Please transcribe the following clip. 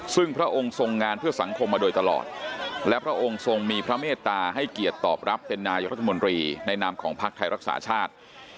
ซึ่งพระองค์ทรงงานเพื่อสังคมมาโดยตลอดและพระองค์ทรงมีพระเมตตาให้เกียรติตอบรับเป็นนายรัฐมนตรีในนามของพักไทยรักษาชาติ